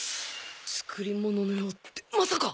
作り物のようってまさか！